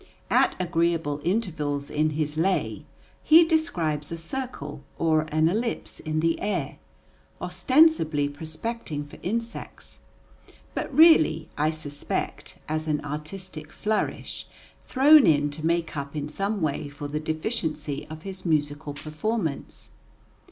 At agreeable intervals in his lay he describes a circle or an ellipse in the air, ostensibly prospecting for insects, but really, I suspect, as an artistic flourish, thrown in to make up in some way for the deficiency of his musical performance.